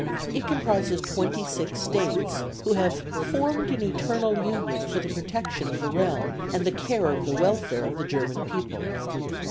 It comprises twenty six States, who have "formed an eternal union for the protection of the realm, and the care of the welfare of the German people."